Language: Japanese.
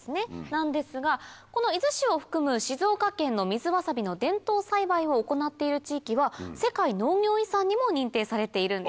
なんですがこの伊豆市を含む静岡県の水わさびの伝統栽培を行っている地域は世界農業遺産にも認定されているんです。